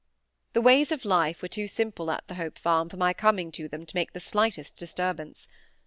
The ways of life were too simple at the Hope Farm for my coming to them to make the slightest disturbance.